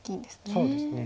そうですね。